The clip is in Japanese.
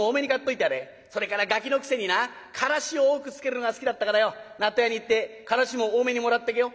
それからガキのくせになからし多くつけるのが好きだったからよ納豆屋に言ってからしも多めにもらっとけよ」。